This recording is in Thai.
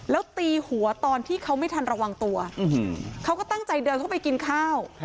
แล้วตีหัวตอนที่เขาไม่ทันระวังตัวเขาก็ตั้งใจเดินเข้าไปกินข้าว